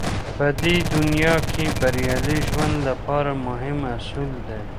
په دې دنيا کې بريالي ژوند لپاره مهم اصول دی.